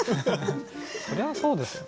そりゃそうですよね。